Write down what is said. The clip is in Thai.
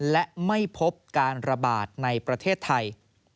และไม่พบการระบาดในประเทศไทย